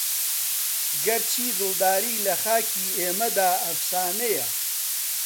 گەر چی دڵداری لە خاکی ئێمەدا ئەفسانەیە